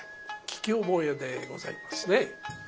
聞き覚えでございますね。